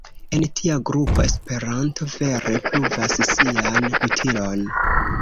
En tia grupo Esperanto vere pruvas sian utilon.